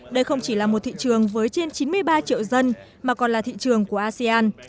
đây không chỉ là một thị trường với trên chín mươi ba triệu dân mà còn là thị trường của asean